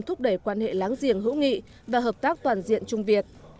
thúc đẩy quan hệ láng giềng hữu nghị và hợp tác toàn diện trung việt